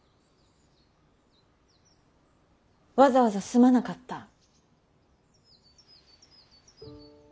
わざわざすまなかった。